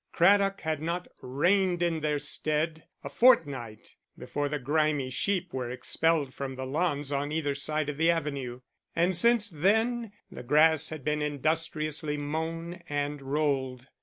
Craddock had not reigned in their stead a fortnight before the grimy sheep were expelled from the lawns on either side of the avenue, and since then the grass had been industriously mown and rolled.